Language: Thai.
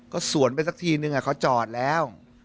ก็สวนไปสักทีนึงเขาจอดแล้ว